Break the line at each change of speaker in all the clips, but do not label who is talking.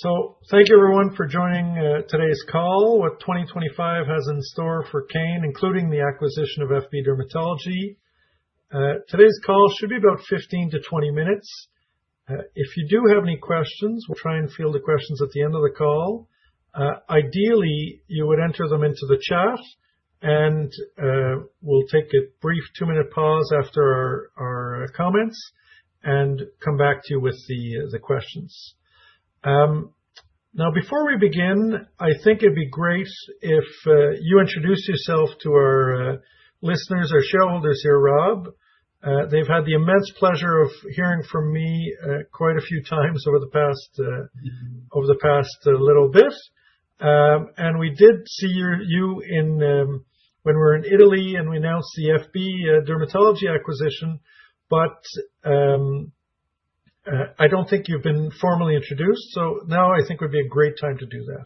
So thank you, everyone, for joining today's call. What 2025 has in store for Kane, including the acquisition of FB Dermatology. Today's call should be about 15-20 minutes. If you do have any questions, we'll try and field the questions at the end of the call. Ideally, you would enter them into the chat, and we'll take a brief two-minute pause after our comments and come back to you with the questions. Now, before we begin, I think it'd be great if you introduce yourself to our listeners or shareholders here, Rob. They've had the immense pleasure of hearing from me quite a few times over the past little bit. And we did see you when we were in Italy and we announced the FB Dermatology acquisition, but I don't think you've been formally introduced. So now I think would be a great time to do that.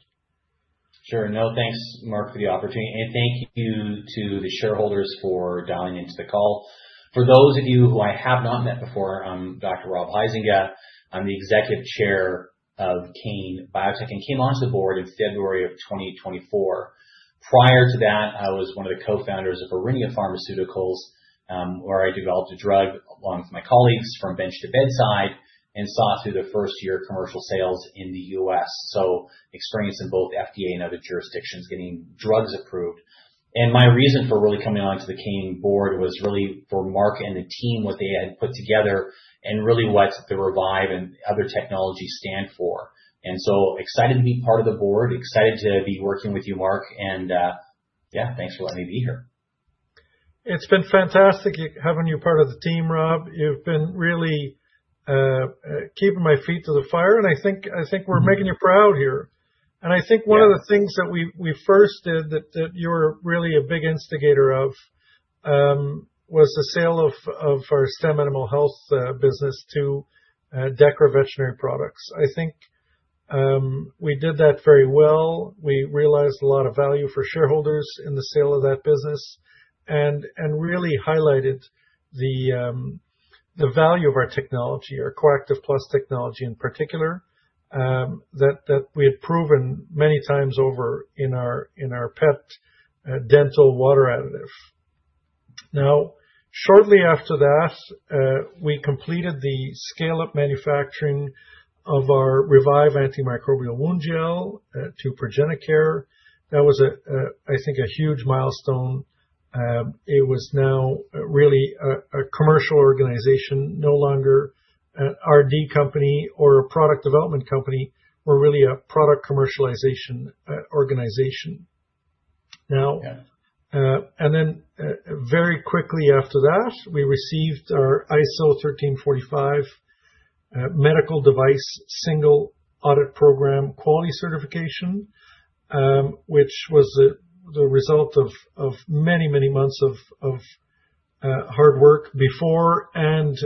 Sure. No, thanks, Marc, for the opportunity. And thank you to the shareholders for dialing into the call. For those of you who I have not met before, I'm Dr. Rob Huizinga. I'm the executive chair of Kane Biotech. I came onto the board in February of 2024. Prior to that, I was one of the co-founders of Aurinia Pharmaceuticals, where I developed a drug along with my colleagues from bench to bedside and saw through the first-year commercial sales in the U.S. So experience in both FDA and other jurisdictions getting drugs approved. And my reason for really coming onto the Kane board was really for Marc and the team, what they had put together, and really what the Revive and other technologies stand for. And so excited to be part of the board, excited to be working with you, Marc. And yeah, thanks for letting me be here.
It's been fantastic having you part of the team, Rob. You've been really keeping my feet to the fire, and I think we're making you proud here, and I think one of the things that we first did that you were really a big instigator of was the sale of our STEM Animal Health business to Dechra Veterinary Products. I think we did that very well. We realized a lot of value for shareholders in the sale of that business and really highlighted the value of our technology, our coactiv+ technology in particular, that we had proven many times over in our pet dental water additive. Now, shortly after that, we completed the scale-up manufacturing of our Revive™ antimicrobial wound gel to ProGeniCare. That was, I think, a huge milestone. It was now really a commercial organization, no longer an R&D company or a product development company. We're really a product commercialization organization. Now, and then very quickly after that, we received our ISO 13485 Medical Device Single Audit Program quality certification, which was the result of many, many months of hard work before and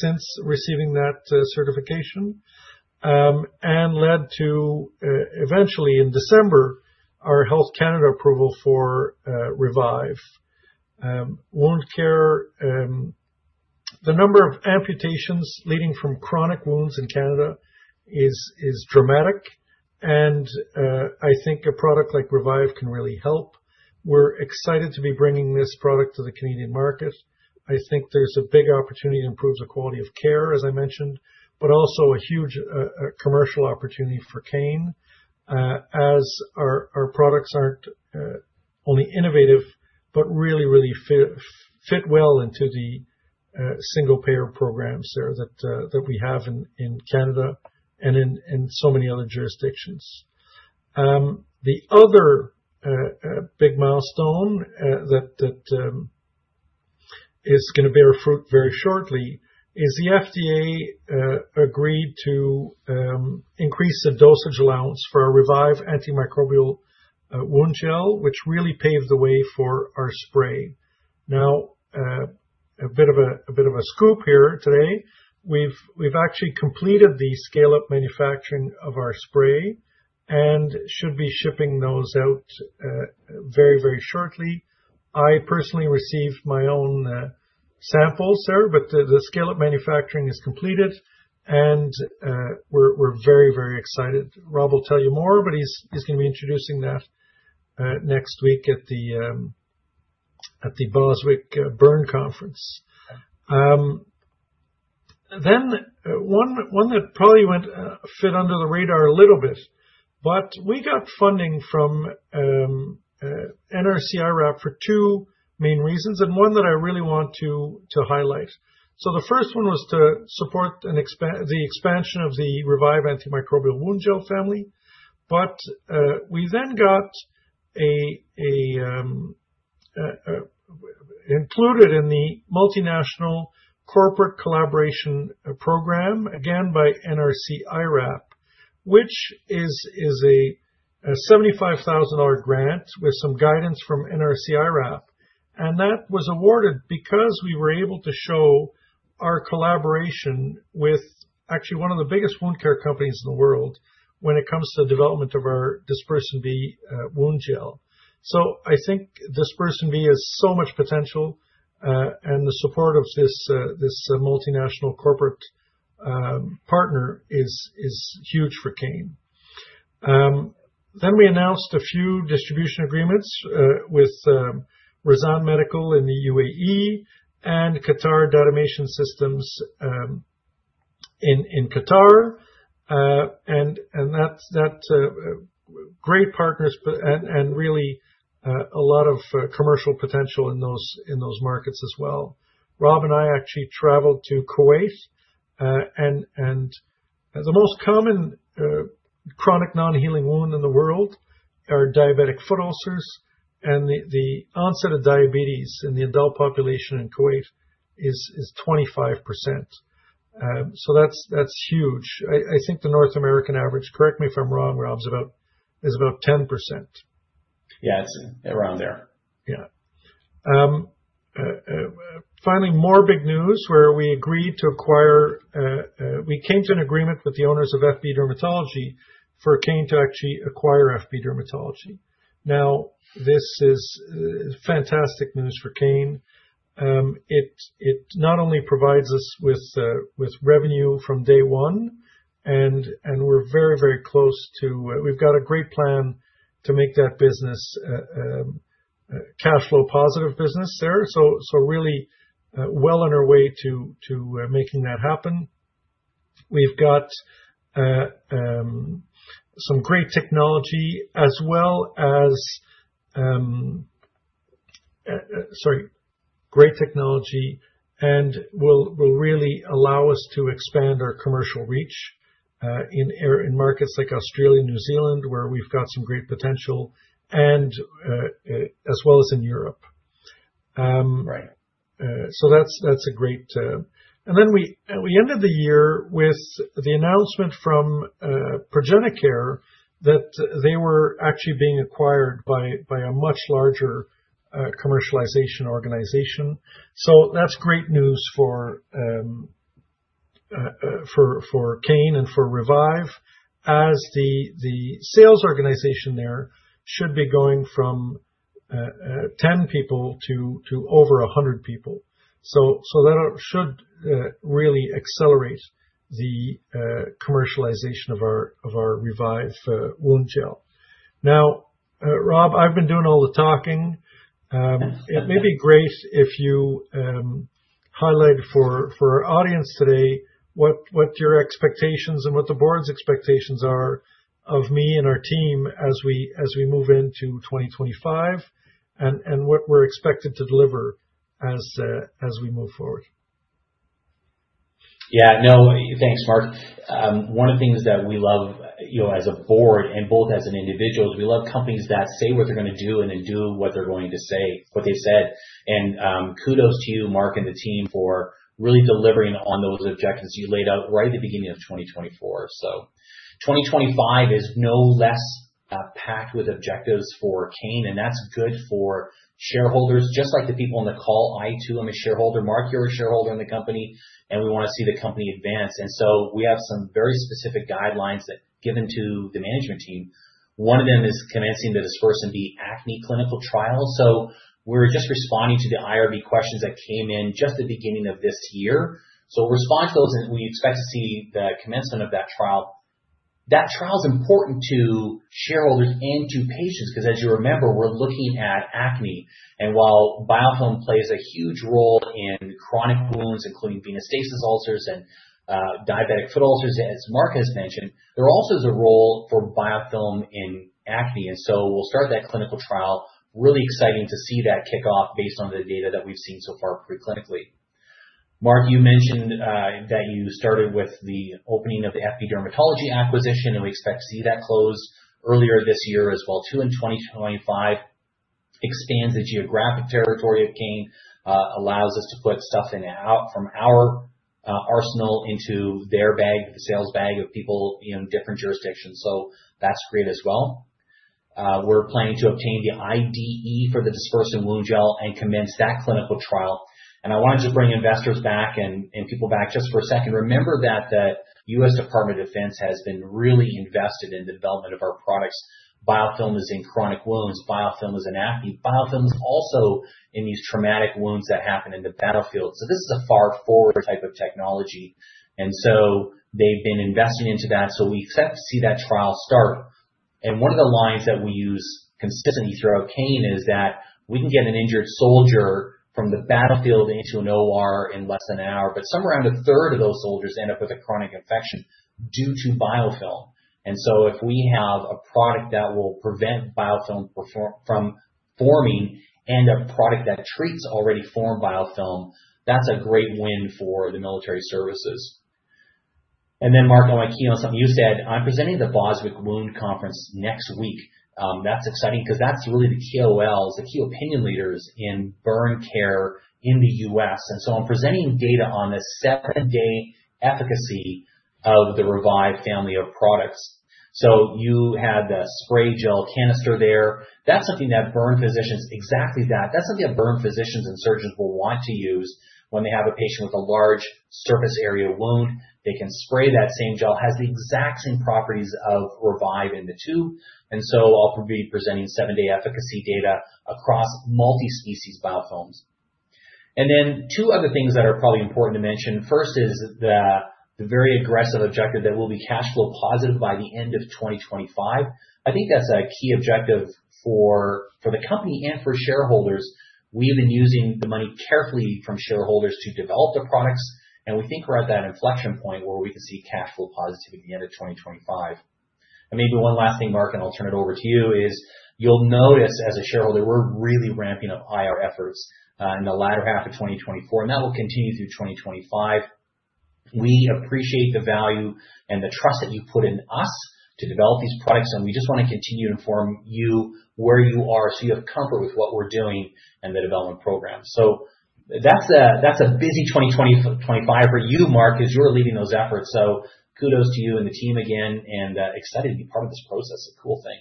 since receiving that certification and led to eventually, in December, our Health Canada approval for Revive Wound Care. The number of amputations leading from chronic wounds in Canada is dramatic, and I think a product like Revive can really help. We're excited to be bringing this product to the Canadian market. I think there's a big opportunity to improve the quality of care, as I mentioned, but also a huge commercial opportunity for Kane, as our products aren't only innovative, but really, really fit well into the single payer programs there that we have in Canada and in so many other jurisdictions. The other big milestone that is going to bear fruit very shortly is the FDA agreed to increase the dosage allowance for our Revive antimicrobial wound gel, which really paved the way for our spray. Now, a bit of a scoop here today, we've actually completed the scale-up manufacturing of our spray and should be shipping those out very, very shortly. I personally received my own samples there, but the scale-up manufacturing is completed, and we're very, very excited. Rob will tell you more, but he's going to be introducing that next week at the Boswick Burn Conference. Then one that probably went a bit under the radar a little bit, but we got funding from NRC-IRAP, Rob, for two main reasons and one that I really want to highlight. The first one was to support the expansion of the Revive antimicrobial wound gel family, but we then got included in the multinational corporate collaboration program, again, by NRC-IRAP, which is a 75,000 dollar grant with some guidance from NRC-IRAP. And that was awarded because we were able to show our collaboration with actually one of the biggest wound care companies in the world when it comes to the development of our DispersionB wound gel. So I think DispersionB has so much potential, and the support of this multinational corporate partner is huge for Kane. Then we announced a few distribution agreements with Rizan Medical in the UAE and Qatar Datamation Systems in Qatar. And that's great partners and really a lot of commercial potential in those markets as well. Rob and I actually traveled to Kuwait, and the most common chronic non-healing wound in the world are diabetic foot ulcers, and the onset of diabetes in the adult population in Kuwait is 25%. So that's huge. I think the North American average, correct me if I'm wrong, Rob, is about 10%.
Yeah, it's around there.
Yeah. Finally, more big news where we agreed to acquire, we came to an agreement with the owners of FB Dermatology for Kane to actually acquire FB Dermatology. Now, this is fantastic news for Kane. It not only provides us with revenue from day one, and we're very, very close to, we've got a great plan to make that business cash flow positive business there. So really well on our way to making that happen. We've got some great technology as well as, sorry, great technology, and will really allow us to expand our commercial reach in markets like Australia and New Zealand, where we've got some great potential, and as well as in Europe. So that's a great, and then we ended the year with the announcement from ProGeniCare that they were actually being acquired by a much larger commercialization organization. So that's great news for Kane and for Revive, as the sales organization there should be going from 10 people to over 100 people. So that should really accelerate the commercialization of our Revive wound gel. Now, Rob, I've been doing all the talking. It may be great if you highlight for our audience today what your expectations and what the board's expectations are of me and our team as we move into 2025 and what we're expected to deliver as we move forward.
Yeah, no, thanks, Marc. One of the things that we love as a board and both as individuals, we love companies that say what they're going to do and then do what they're going to say, what they said, and kudos to you, Marc and the team, for really delivering on those objectives you laid out right at the beginning of 2024, so 2025 is no less packed with objectives for Kane, and that's good for shareholders, just like the people on the call. I too am a shareholder. Marc, you're a shareholder in the company, and we want to see the company advance, and so we have some very specific guidelines given to the management team. One of them is commencing the DispersionB acne clinical trial, so we're just responding to the IRB questions that came in just at the beginning of this year. We'll respond to those, and we expect to see the commencement of that trial. That trial is important to shareholders and to patients because, as you remember, we're looking at acne. While biofilm plays a huge role in chronic wounds, including venous stasis ulcers and diabetic foot ulcers, as Marc has mentioned, there also is a role for biofilm in acne. So we'll start that clinical trial. Really exciting to see that kick off based on the data that we've seen so far preclinically. Marc, you mentioned that you started with the opening of the FB Dermatology acquisition, and we expect to see that close earlier this year as well too. In 2025, it expands the geographic territory of Kane, allows us to put stuff from our arsenal into their bag, the sales bag of people in different jurisdictions. That's great as well. We're planning to obtain the IDE for the Dispersin Wound Gel and commence that clinical trial. And I want to just bring investors back and people back just for a second. Remember that the U.S. Department of Defense has been really invested in the development of our products. Biofilm is in chronic wounds. Biofilm is in acne. Biofilm is also in these traumatic wounds that happen in the battlefield. So this is a far-forward type of technology. And so they've been investing into that. So we expect to see that trial start. And one of the lines that we use consistently throughout Kane is that we can get an injured soldier from the battlefield into an OR in less than an hour, but somewhere around a third of those soldiers end up with a chronic infection due to biofilm. So if we have a product that will prevent biofilm from forming and a product that treats already formed biofilm, that's a great win for the military services. Then, Marc, I want to key on something you said. I'm presenting at the Boswick Wound Conference next week. That's exciting because that's really the key KOLs, the key opinion leaders in burn care in the U.S. So I'm presenting data on the seven-day efficacy of the Revive family of products. You had the spray gel canister there. That's something that burn physicians, exactly that. That's something that burn physicians and surgeons will want to use when they have a patient with a large surface area wound. They can spray that same gel. It has the exact same properties of Revive in the tube. So I'll be presenting seven-day efficacy data across multi-species biofilms. And then two other things that are probably important to mention. First is the very aggressive objective that will be cash flow positive by the end of 2025. I think that's a key objective for the company and for shareholders. We've been using the money carefully from shareholders to develop the products, and we think we're at that inflection point where we can see cash flow positive at the end of 2025. And maybe one last thing, Marc, and I'll turn it over to you, is you'll notice as a shareholder, we're really ramping up IR efforts in the latter half of 2024, and that will continue through 2025. We appreciate the value and the trust that you put in us to develop these products, and we just want to continue to inform you where you are so you have comfort with what we're doing and the development program. So that's a busy 2025 for you, Marc, as you're leading those efforts. So kudos to you and the team again, and excited to be part of this process. It's a cool thing.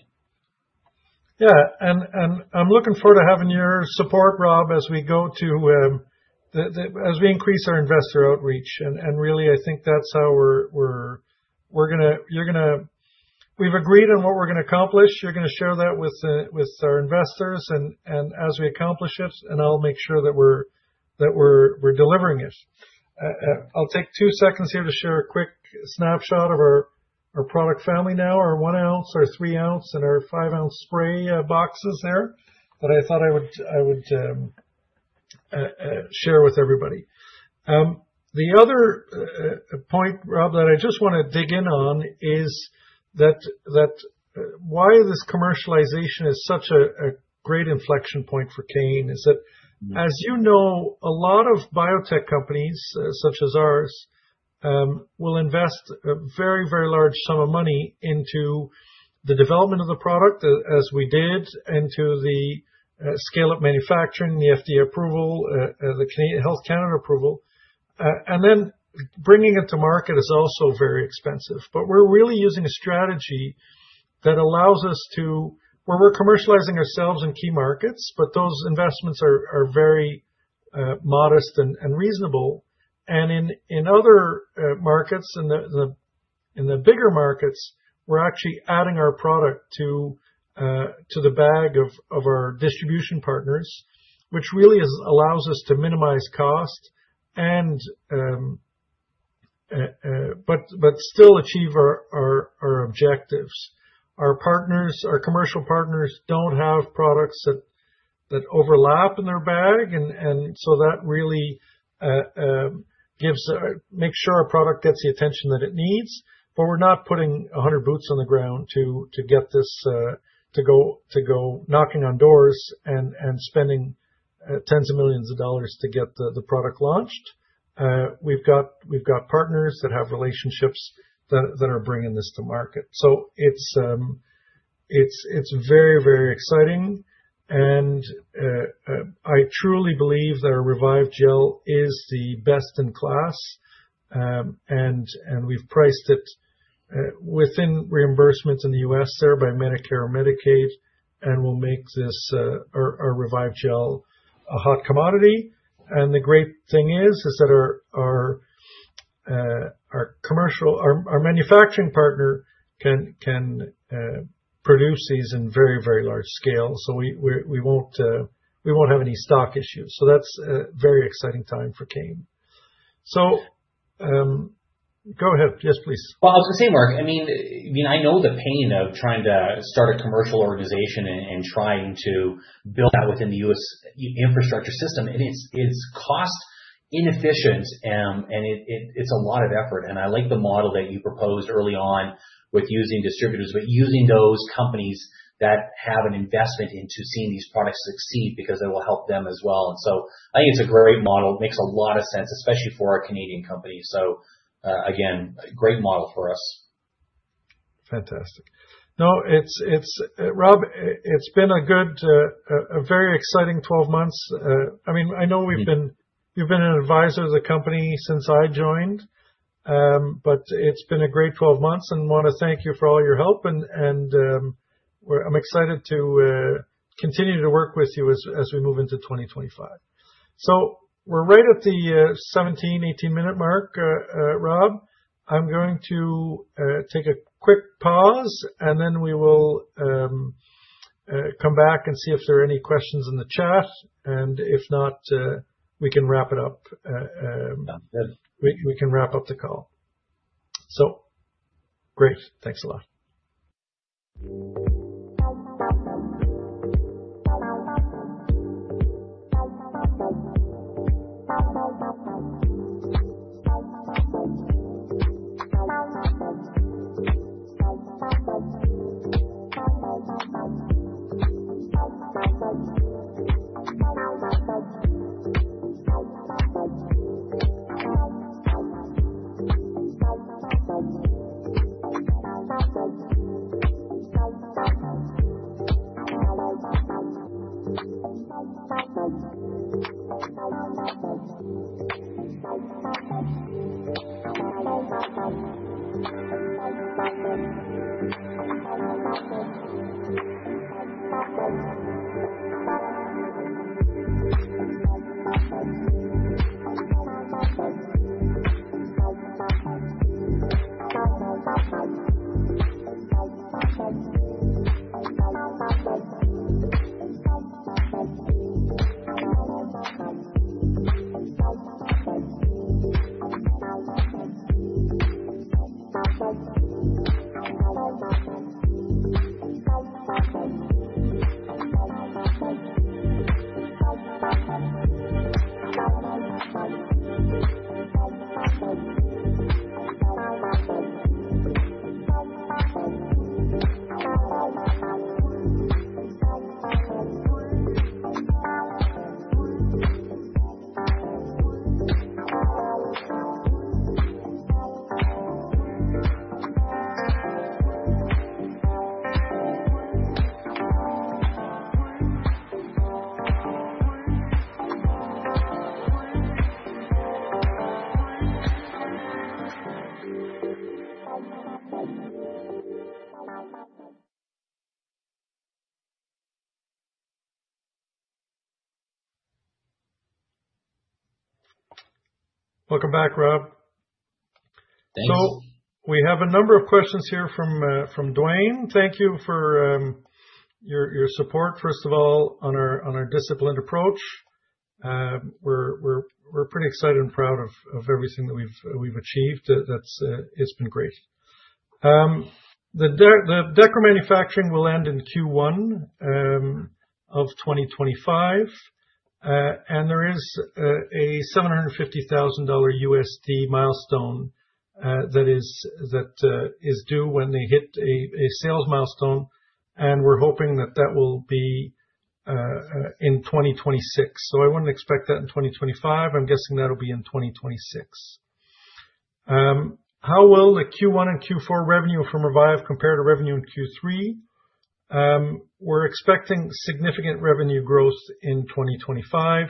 Yeah, and I'm looking forward to having your support, Rob, as we increase our investor outreach. And really, I think that's how we're going to. We've agreed on what we're going to accomplish. You're going to share that with our investors and as we accomplish it, and I'll make sure that we're delivering it. I'll take two seconds here to share a quick snapshot of our product family now, our one-ounce, our three-ounce, and our five-ounce spray boxes there that I thought I would share with everybody. The other point, Rob, that I just want to dig in on is that why this commercialization is such a great inflection point for Kane is that, as you know, a lot of biotech companies such as ours will invest a very, very large sum of money into the development of the product, as we did, into the scale-up manufacturing, the FDA approval, the Health Canada approval, and then bringing it to market is also very expensive, but we're really using a strategy that allows us to, where we're commercializing ourselves in key markets, but those investments are very modest and reasonable, and in other markets, in the bigger markets, we're actually adding our product to the bag of our distribution partners, which really allows us to minimize cost, but still achieve our objectives. Our commercial partners don't have products that overlap in their bag, and so that really makes sure our product gets the attention that it needs. But we're not putting a hundred boots on the ground to get this to go knocking on doors and spending tens of millions of dollars to get the product launched. We've got partners that have relationships that are bringing this to market. So it's very, very exciting. And I truly believe that our Revive gel is the best in class, and we've priced it within reimbursements in the U.S. thereby Medicare and Medicaid, and we'll make our Revive gel a hot commodity. And the great thing is that our manufacturing partner can produce these in very, very large scale. So we won't have any stock issues. So that's a very exciting time for Kane. So go ahead. Yes, please.
I was going to say, Marc, I mean, I know the pain of trying to start a commercial organization and trying to build that within the U.S. infrastructure system, and it's cost inefficient, and it's a lot of effort, and I like the model that you proposed early on with using distributors, but using those companies that have an investment into seeing these products succeed because it will help them as well, and so I think it's a great model. It makes a lot of sense, especially for our Canadian company, so again, great model for us.
Fantastic. No, Rob, it's been a very exciting 12 months. I mean, I know you've been an advisor to the company since I joined, but it's been a great 12 months, and I want to thank you for all your help, and I'm excited to continue to work with you as we move into 2025, so we're right at the 17-minute, 18-minute Marc, Rob. I'm going to take a quick pause, and then we will come back and see if there are any questions in the chat, and if not, we can wrap it up. We can wrap up the call, so great. Thanks a lot. Welcome back, Rob.
Thanks.
So we have a number of questions here from Dwayne. Thank you for your support, first of all, on our disciplined approach. We're pretty excited and proud of everything that we've achieved. It's been great. The Dechra manufacturing will end in Q1 of 2025. And there is a $750,000 USD milestone that is due when they hit a sales milestone. And we're hoping that that will be in 2026. So I wouldn't expect that in 2025. I'm guessing that'll be in 2026. How will the Q1 and Q4 revenue from Revive compare to revenue in Q3? We're expecting significant revenue growth in 2025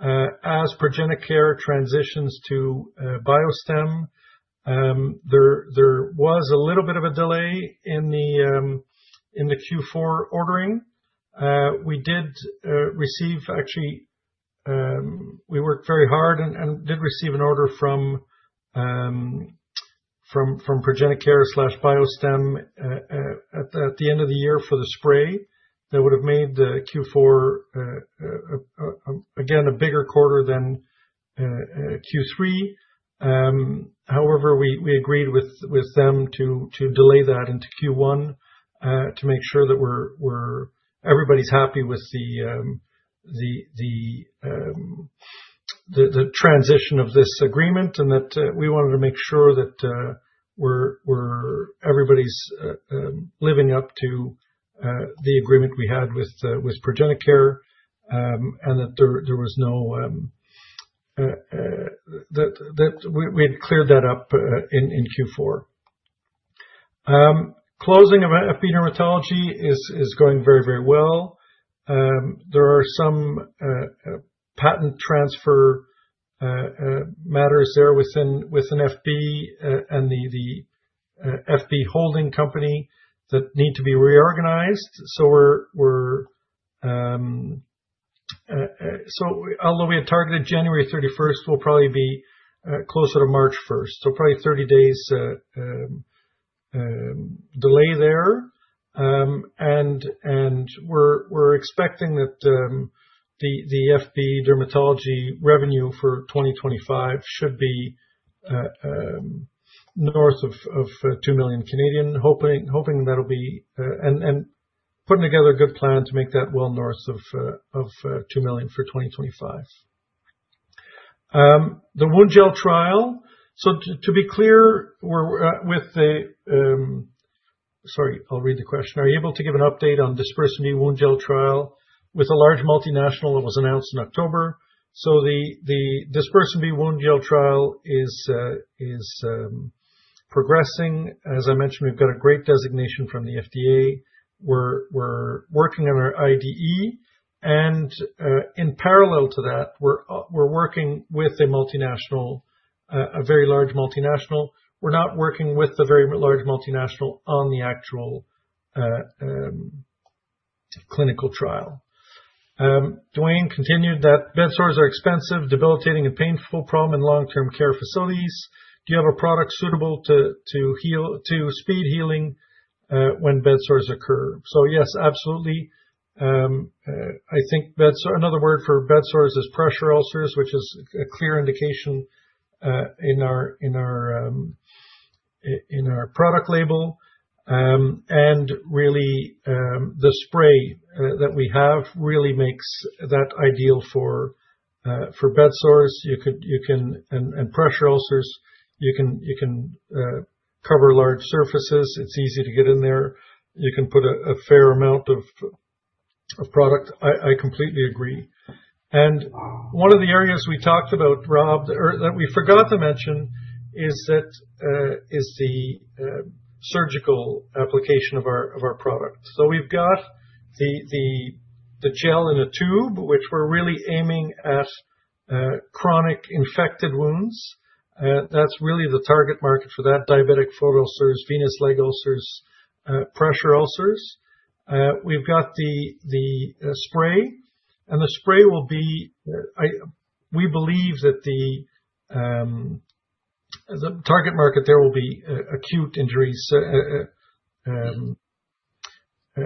as ProGeniCare transitions to BioStem. There was a little bit of a delay in the Q4 ordering. We did receive, actually, we worked very hard and did receive an order from ProGeniCare slash BioStem at the end of the year for the spray that would have made Q4, again, a bigger quarter than Q3. However, we agreed with them to delay that into Q1 to make sure that everybody's happy with the transition of this agreement and that we wanted to make sure that everybody's living up to the agreement we had with ProGeniCare and that there was no that we had cleared that up in Q4. Closing of FB Dermatology is going very, very well. There are some patent transfer matters there within FB and the FB holding company that need to be reorganized. Although we had targeted January 31st, we'll probably be closer to March 1st, so probably 30 days delay there. We're expecting that the FB Dermatology revenue for 2025 should be north of 2 million CAD, hoping that'll be and putting together a good plan to make that well north of 2 million CAD for 2025. The wound gel trial, so to be clear, with the sorry, I'll read the question. Are you able to give an update on Dispersity wound gel trial with a large multinational that was announced in October? So the Dispersity wound gel trial is progressing. As I mentioned, we've got a great designation from the FDA. We're working on our IDE. And in parallel to that, we're working with a multinational, a very large multinational. We're not working with a very large multinational on the actual clinical trial. Dwayne continued that bedsores are expensive, debilitating, and painful problem in long-term care facilities. Do you have a product suitable to speed healing when bedsores occur? Yes, absolutely. I think another word for bedsores is pressure ulcers, which is a clear indication in our product label. And really, the spray that we have really makes that ideal for bedsores and pressure ulcers. You can cover large surfaces. It's easy to get in there. You can put a fair amount of product. I completely agree. And one of the areas we talked about, Rob, that we forgot to mention is the surgical application of our product. So we've got the gel in a tube, which we're really aiming at chronic infected wounds. That's really the target market for that: diabetic foot ulcers, venous leg ulcers, pressure ulcers. We've got the spray. And the spray will be, we believe that the target market there will be acute injuries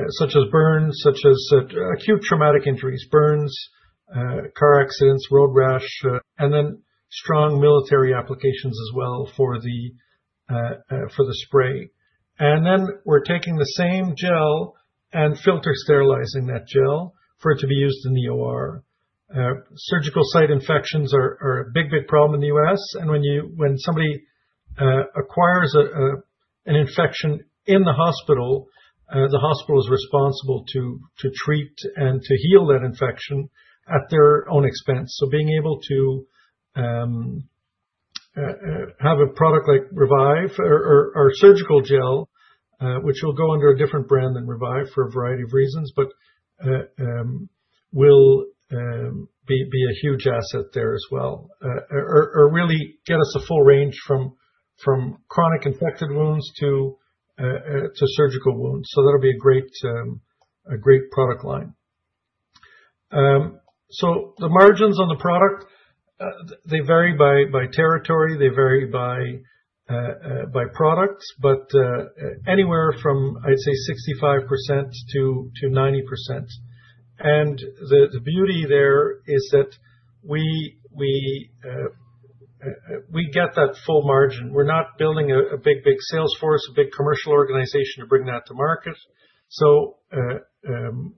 such as burns, such as acute traumatic injuries, burns, car accidents, road rash. Strong military applications as well for the spray. We're taking the same gel and filter sterilizing that gel for it to be used in the OR. Surgical site infections are a big, big problem in the U.S. When somebody acquires an infection in the hospital, the hospital is responsible to treat and to heal that infection at their own expense. Being able to have a product like Revive or surgical gel, which will go under a different brand than Revive for a variety of reasons, but will be a huge asset there as well, or really get us a full range from chronic infected wounds to surgical wounds. That'll be a great product line. The margins on the product, they vary by territory. They vary by products, but anywhere from, I'd say, 65%-90%. And the beauty there is that we get that full margin. We're not building a big, big salesforce, a big commercial organization to bring that to market. So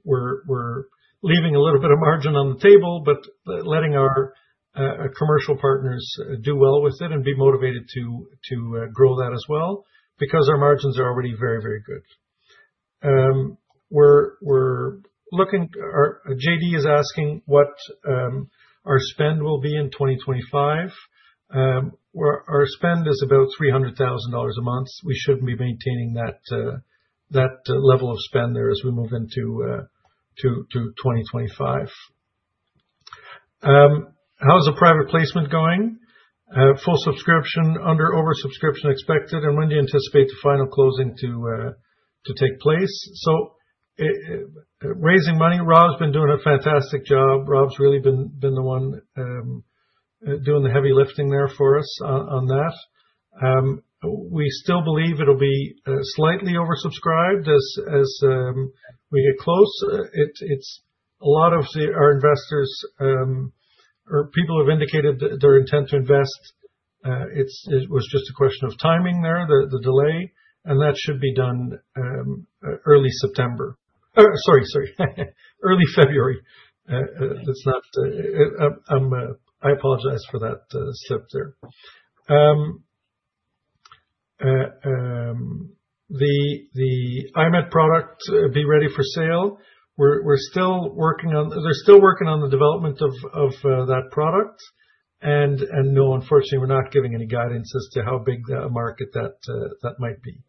we're leaving a little bit of margin on the table, but letting our commercial partners do well with it and be motivated to grow that as well because our margins are already very, very good. JD is asking what our spend will be in 2025. Our spend is about $300,000 a month. We should be maintaining that level of spend there as we move into 2025. How's the private placement going? Full subscription, and oversubscription expected. And when do you anticipate the final closing to take place? So raising money, Rob's been doing a fantastic job. Rob's really been the one doing the heavy lifting there for us on that. We still believe it'll be slightly oversubscribed as we get close. A lot of our investors or people have indicated their intent to invest. It was just a question of timing there, the delay. That should be done early September. Sorry, sorry. Early February. I apologize for that slip there. The I-MED product be ready for sale. We're still working on the development of that product. No, unfortunately, we're not giving any guidance as to how big the market that might be.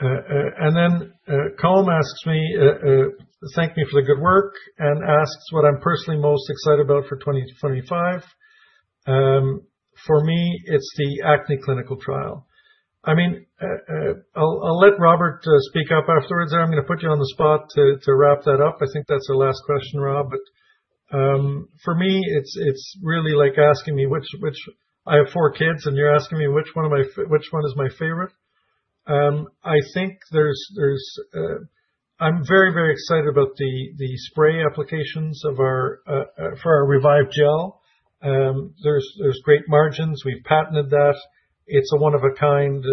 Then Colm asks me, thank me for the good work, and asks what I'm personally most excited about for 2025. For me, it's the Acne clinical trial. I mean, I'll let Robert speak up afterwards. I'm going to put you on the spot to wrap that up. I think that's the last question, Rob. But for me, it's really like asking me, I have four kids, and you're asking me which one is my favorite. I think I'm very, very excited about the spray applications for our Revive gel. There's great margins. We've patented that. It's a one-of-a-kind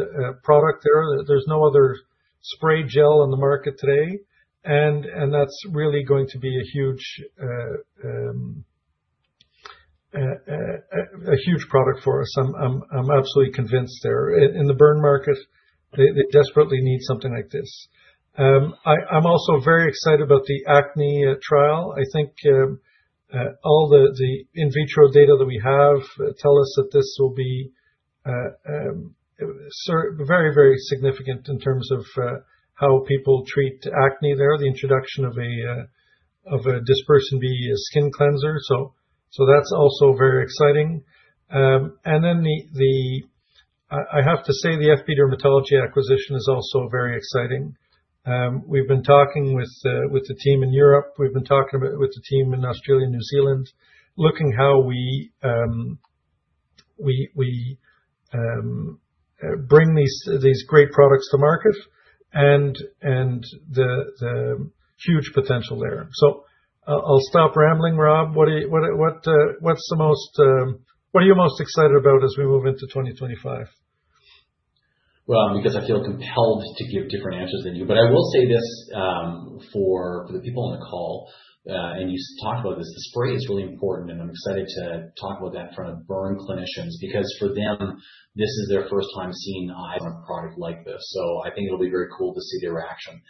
product there. There's no other spray gel on the market today, and that's really going to be a huge product for us. I'm absolutely convinced there. In the burn market, they desperately need something like this. I'm also very excited about the acne trial. I think all the in vitro data that we have tell us that this will be very, very significant in terms of how people treat acne there, the introduction of a Dispersity skin cleanser. So that's also very exciting, and then I have to say the FB Dermatology acquisition is also very exciting. We've been talking with the team in Europe. We've been talking with the team in Australia and New Zealand, looking how we bring these great products to market and the huge potential there. So I'll stop rambling, Rob. What are you most excited about as we move into 2025?
Because I feel compelled to give different answers than you. But I will say this for the people on the call, and you talked about this, the spray is really important. And I'm excited to talk about that in front of burn clinicians because for them, this is their first time seeing eyes on a product like this. So I think it'll be very cool to see their reaction.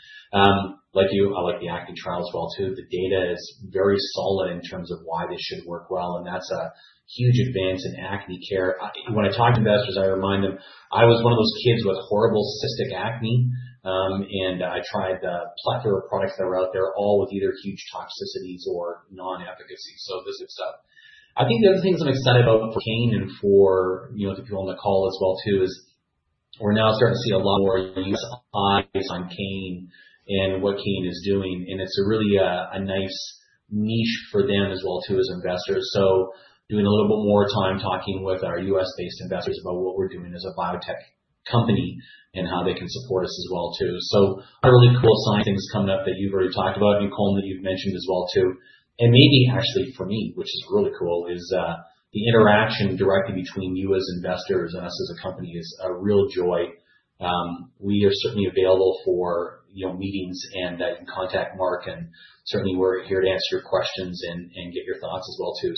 Like you, I like the Acne trial as well too. The data is very solid in terms of why this should work well. And that's a huge advance in acne care. When I talk to investors, I remind them, I was one of those kids with horrible cystic acne. And I tried a plethora of products that were out there, all with either huge toxicities or non-efficacy. So this is up. I think the other things I'm excited about for Kane and for the people on the call as well too is we're now starting to see a lot more eyes on Kane and what Kane is doing, and it's really a nice niche for them as well too as investors. So doing a little bit more time talking with our U.S.-based investors about what we're doing as a biotech company and how they can support us as well too. So a really cool sign, things coming up that you've already talked about, Colin, that you've mentioned as well too. And maybe actually for me, which is really cool, is the interaction directly between you as investors and us as a company is a real joy. We are certainly available for meetings and that you can contact Marc. Certainly, we're here to answer your questions and get your thoughts as well too.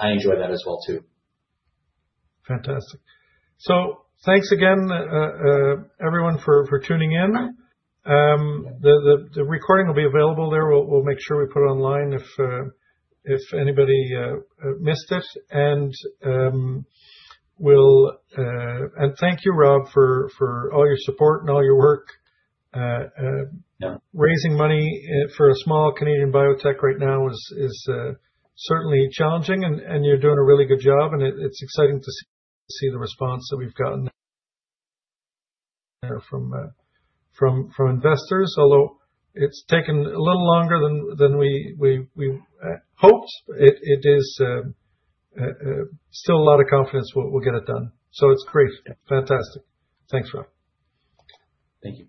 I enjoy that as well too.
Fantastic. So thanks again, everyone, for tuning in. The recording will be available there. We'll make sure we put it online if anybody missed it. And thank you, Rob, for all your support and all your work. Raising money for a small Canadian biotech right now is certainly challenging. And you're doing a really good job. And it's exciting to see the response that we've gotten from investors. Although it's taken a little longer than we hoped, it is still a lot of confidence we'll get it done. So it's great. Fantastic. Thanks, Rob.
Thank you.